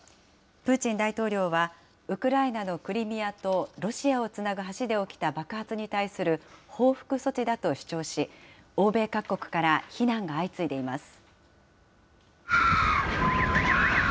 プーチン大統領はウクライナのクリミアとロシアをつなぐ橋で起きた爆発に対する報復措置だと主張し、欧米各国から非難が相次いでいます。